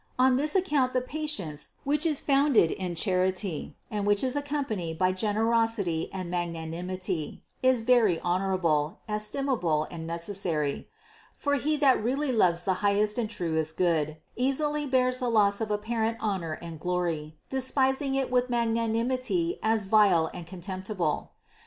On this account the patience, which is founded in charity and which is accompanied by generosity and magnanimity, is very honorable, estimable and necessary ; for he that really loves the high est and truest Good, easily bears the loss of apparent honor and glory, despising it with magnanimity as vile and contemptible.